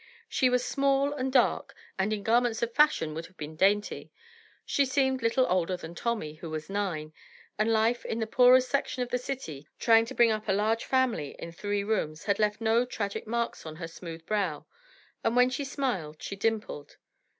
She was small and dark, and in garments of fashion would have been dainty. She seemed little older than Tommy, who was nine, and life in the poorest section of the city, trying to bring up a large family in three rooms, had left no tragic marks on her smooth brow, and when she smiled, she dimpled.